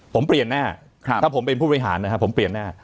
ผมเปลี่ยนแน่ถ้าผมเป็นผู้บริหารนะครับผมเปลี่ยนแน่